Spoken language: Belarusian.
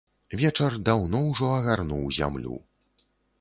Вечар даўно ўжо агарнуў зямлю.